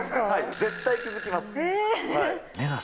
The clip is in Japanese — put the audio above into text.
絶対気付きます。